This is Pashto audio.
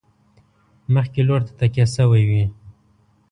مخکې لور ته تکیه شوي وي.